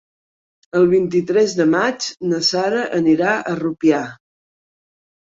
El vint-i-tres de maig na Sara anirà a Rupià.